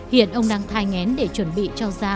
hiện ông đang thai ngén để chuẩn bị cho ra